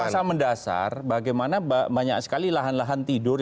saya pernah rasa mendasar bagaimana banyak sekali lahan lahan tidur yang diperlukan